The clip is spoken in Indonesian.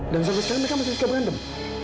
dan sampai sekarang mereka masih suka berantem